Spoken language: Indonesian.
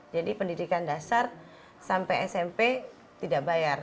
jadi pendidikan dasar sampai smp tidak bayar